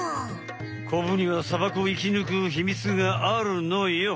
コブには砂漠を生きぬくヒミツがあるのよ。